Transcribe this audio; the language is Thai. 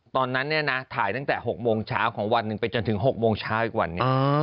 ตอนนั้นเนี่ยนะถ่ายตั้งแต่๖โมงเช้าของวันหนึ่งไปจนถึง๖โมงเช้าอีกวันหนึ่ง